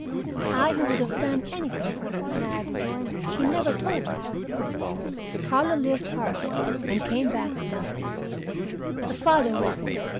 I, who would have done anything for her she never told me. Carlo lived hard and came back to die. The father went.